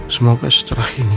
semoga setelah ini